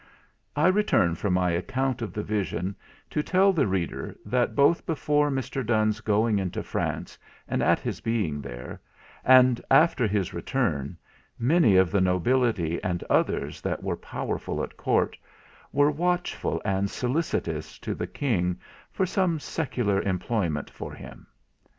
I return from my account of the vision, to tell the reader, that both before Mr. Donne's going into France, at his being there, and after his return, many of the nobility and others that were powerful at court, were watchful and solicitous to the King for some secular employment for him.